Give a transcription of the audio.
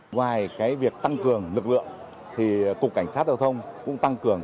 ngoài việc tăng cường lực lượng thì cục cảnh sát giao thông cũng tăng cường